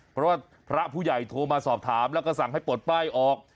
เพราะว่าพระผู้ใหญ่โทรมาสอบถามแล้วก็สั่งให้ปลดป้ายออก